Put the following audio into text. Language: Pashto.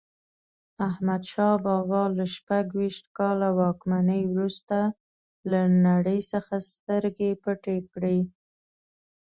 احمدشاه بابا له شپږویشت کاله واکمنۍ وروسته له نړۍ څخه سترګې پټې کړې.